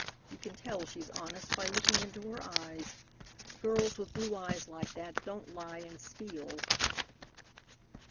You can tell she's honest by looking into her eyes. Girls with blue eyes like that don't lie and steal."